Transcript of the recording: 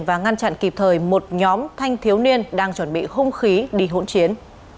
và ngăn chặn kịp thời một nhóm thanh thiếu niên đang chuẩn bị hung khí đi hỗn chiến